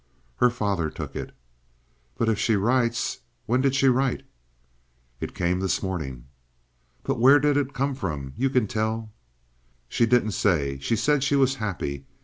"Her father took it." "But if she writes— When did she write?" "It came this morning." "But where did it come from? You can tell—" "She didn't say. She said she was happy.